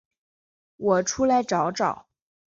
我出来找找